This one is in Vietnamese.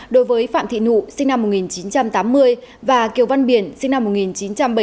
đối với phạm thị nụ sinh năm một nghìn chín trăm tám mươi và kiều văn biển sinh năm một nghìn chín trăm bảy mươi